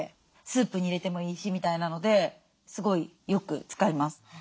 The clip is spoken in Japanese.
スープに入れてもいいしみたいなのですごいよく使います。